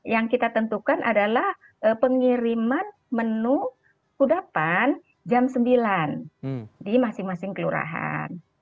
yang kita tentukan adalah pengiriman menu kudapan jam sembilan di masing masing kelurahan